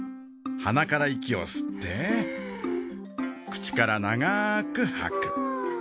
鼻から息を吸って口から長くはく。